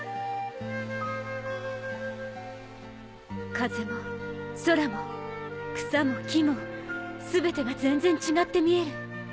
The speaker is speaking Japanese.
風も空も草も木も全てが全然違って見える。